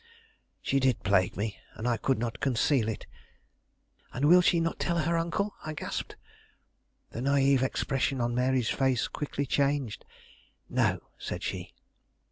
She did plague me, and I could not conceal it. "And will she not tell her uncle?" I gasped. The naive expression on Mary's face quickly changed. "No," said she.